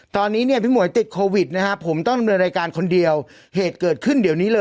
ตอนนี้เนี่ยปิดผมต้องเป็นรายการคนเดียวเหตุเกิดขึ้นเดี๋ยวนี้